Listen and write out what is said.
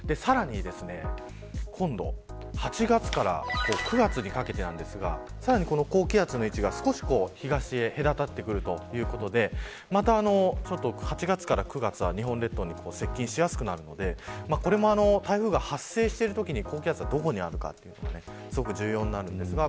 さらに８月から９月にかけては高気圧の位置が東へ隔たってくるということで８月から９月は日本列島に接近しやすくなるので台風が発生しているときに高気圧がどこにあるのかということは重要になります。